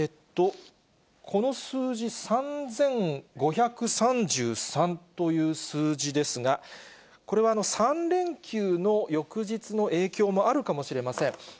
この数字、３５３３という数字ですが、これは３連休の翌日の影響もあるかもしれません。